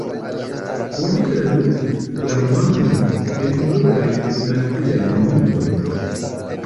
Oni tradukis la romanon en plurajn naciajn lingvojn.